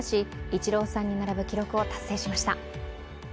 イチローさんに並ぶ記録を達成しました。